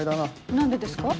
何でですか？